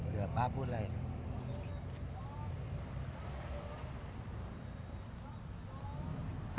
เดี๋ยวป่าพูดอะไร